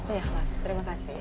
iya mas terima kasih